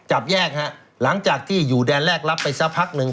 จับแยกฮะหลังจากที่อยู่แดนแรกรับไปสักพักหนึ่ง